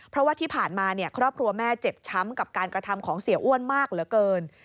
เพราะว่าที่ผ่านมาครอบครัวแม่เจ็บช้ำกับการกระทำของเสียอ้วนมากเหลือเกิน